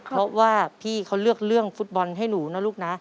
เพราะว่าพี่เขาเลือกเรื่องฟุตบอลให้หนูนะลูกนะ